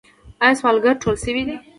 آیا سوالګر ټول شوي دي؟